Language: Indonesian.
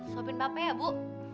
sobin papa ya bu